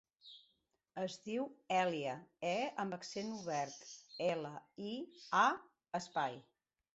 Es diu Èlia : e amb accent obert, ela, i, a, espai.